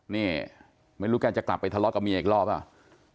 นี่ไม่รู้แกจะกลับไปทะเลาะกับเมียอีกรอบหรือเปล่า